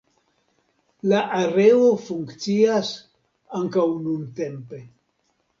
La areo funkcias ankaŭ nuntempe.